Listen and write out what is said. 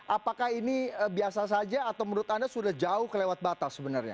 apakah ini biasa saja atau menurut anda sudah jauh kelewat batas sebenarnya